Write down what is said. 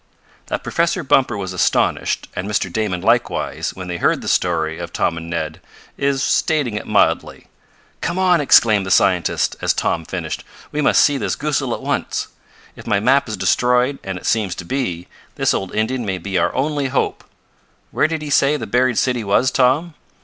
That Professor Bumper was astonished, and Mr. Damon likewise, when they heard the story of Tom and Ned, is stating it mildly. "Come on!" exclaimed the scientist, as Tom finished, "we must see this Goosal at once. If my map is destroyed, and it seems to be, this old Indian may be our only hope. Where did he say the buried city was, Tom?"